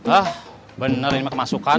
ah benar ini kemasukan